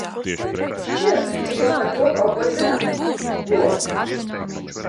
Šķiet, ka jūs par to kaut ko zināt, ko?